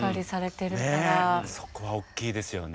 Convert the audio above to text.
そこは大きいですよね。